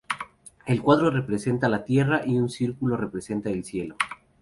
El cuadrado representa la tierra y un círculo representa el cielo.